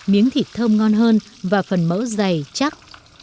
miếng thịt thơm ngon hơn và phần mẫu dày chắc